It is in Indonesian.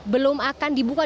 belum akan dibuka